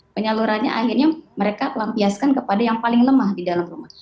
penyalurannya akhirnya mereka lampiaskan kepada yang paling lemah di dalam rumah